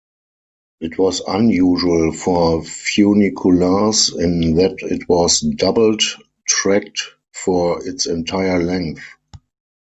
It was unusual for funiculars in that it was doubled-tracked for its entire length.